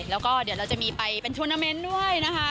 แล้วก็เดี๋ยวเราจะมีไปเป็นทวนาเมนต์ด้วยนะคะ